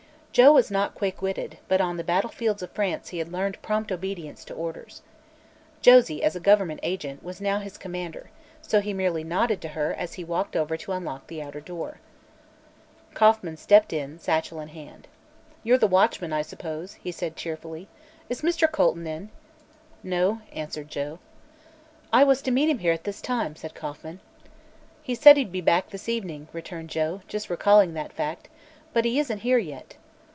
Joe was not quick witted, but on the battlefields of France he had learned prompt obedience to orders. Josie, as a government agent, was now his commander, so he merely nodded to her as he walked over to unlock the outer door. Kauffman stepped in, satchel in hand. "You're the watchman, I suppose," he said cheerfully. "Is Mr. Colton here?" "No," answered Joe. "I was to meet him here at this time," said Kauffman. "He said he'd be back this evening," returned Joe, just recalling that fact, "but he isn't here yet."